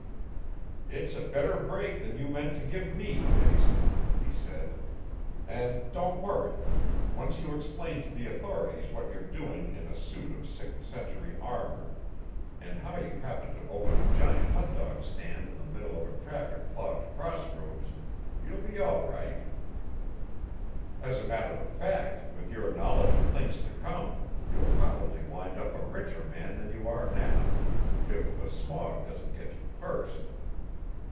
"It's a better break than you meant to give me, Jason," he said. "And don't worry once you explain to the authorities what you're doing in a suit of sixth century armor and how you happened to open a giant hot dog stand in the middle of a traffic clogged crossroads, you'll be all right. As a matter of fact, with your knowledge of things to come, you'll probably wind up a richer man than you are now if the smog doesn't get you first."